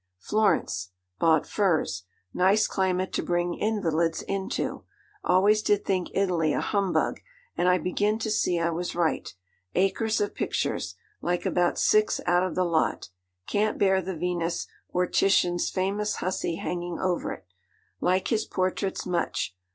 'Florence. Bought furs. Nice climate to bring invalids into. Always did think Italy a humbug, and I begin to see I was right. Acres of pictures. Like about six out of the lot. Can't bear the Venus, or Titian's famous hussy hanging over it. Like his portraits much.